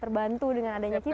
terbantu dengan adanya kita